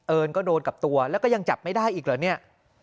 ก็โดนกับตัวแล้วก็ยังจับไม่ได้อีกเหรอเนี่ย